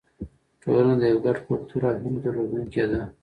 ټولنه د یو ګډ کلتور او هیلو درلودونکې ده.